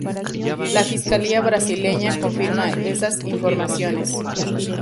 La fiscalía brasileña confirma estas informaciones..